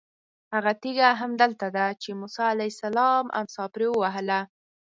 هغه تېږه هم همدلته ده چې موسی علیه السلام امسا پرې ووهله.